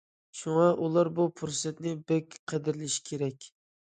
شۇڭا ئۇلار بۇ پۇرسەتنى بەك قەدىرلىشى كېرەك.